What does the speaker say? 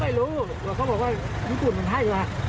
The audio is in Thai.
ไม่รู้เขาบอกว่ามิกุลมันให้กันครับ